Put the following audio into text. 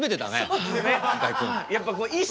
そうですね